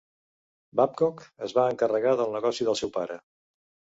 Babcock es va encarregar del negoci del seu pare.